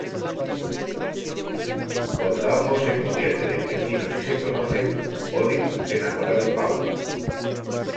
Cuando ambos se convierten en vecinos y se conocen, Holly se enamora de Paul.